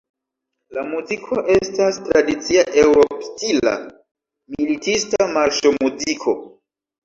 La muziko estas tradicia eŭrop-stila militista marŝo-muziko.